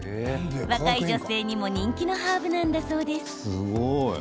若い女性にも人気のハーブなんだそうです。